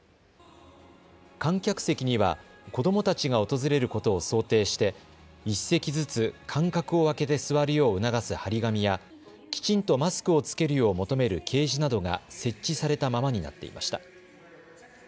観客席には子どもたちが訪れることを想定して１席ずつ間隔を空けて座るよう促す張り紙やきちんとマスクを着けるよう求める掲示などが設置されたままになっていました。